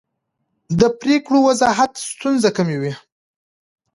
د پرېکړو وضاحت ستونزې کموي